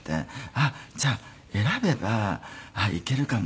あっじゃあ選べばいけるかも。